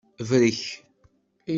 Brek.